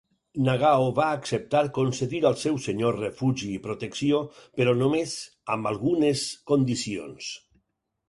Nagao va acceptar concedir al seu senyor refugi i protecció, però només amb algunes condicions.